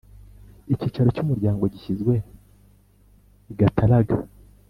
Icyicaro cy umuryango gishyizwe i Gataraga